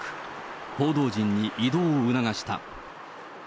報道陣に移動を促した。